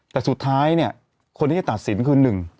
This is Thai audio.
แต่สุดท้ายเนี่ยคนที่จะตัดสินคือ๑